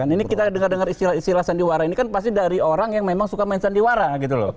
ini kita dengar dengar istilah sandiwara ini kan pasti dari orang yang memang suka main sandiwara gitu loh